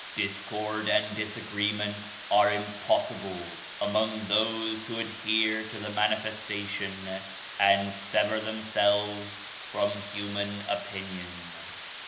Discord and disagreement are impossible among those who adhere to the Manifestation and sever themselves from human opinion.